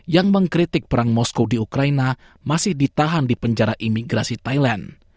yang mengkritik perang moskow di ukraina masih ditahan di penjara imigrasi thailand